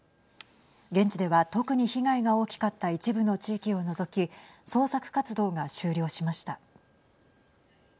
現地では特に被害が大きかった一部の地域を除き捜索活動が終了しました。